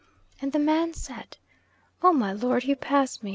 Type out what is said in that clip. And the man said: "Oh, my lord, you pass me.